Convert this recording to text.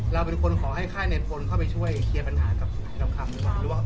เราเป็นคนขอให้ค่าไนท์โฟนเข้าไปช่วยเคลียร์ปัญหากับเราคำหรือว่าหรือว่า